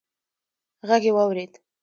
غږ يې واورېد: